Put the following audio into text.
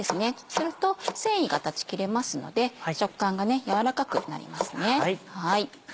すると繊維が断ち切れますので食感が軟らかくなります。